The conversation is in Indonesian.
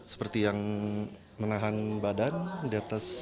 seperti yang menahan badan di atas